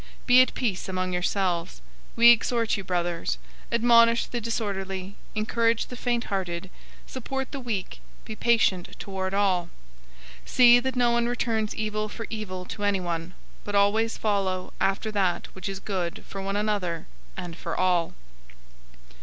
Be at peace among yourselves. 005:014 We exhort you, brothers, admonish the disorderly, encourage the fainthearted, support the weak, be patient toward all. 005:015 See that no one returns evil for evil to anyone, but always follow after that which is good, for one another, and for all.